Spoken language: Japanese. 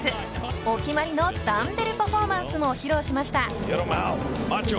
お決まりのダンベルパフォーマンスも披露しました。